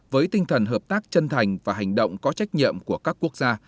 với tinh thần hợp tác chân thành và hành động có trách nhiệm của các quốc gia